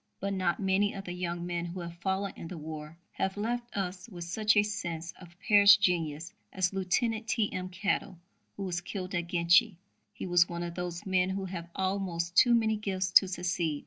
But not many of the young men who have fallen in the war have left us with such a sense of perished genius as Lieutenant T.M. Kettle, who was killed at Ginchy. He was one of those men who have almost too many gifts to succeed.